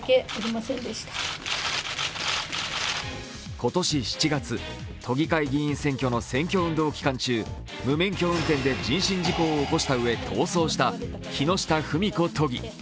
今年７月、都議会議員選挙の選挙運動期間中無免許運転で人身事故を起こしたうえ逃走した、木下富美子都議。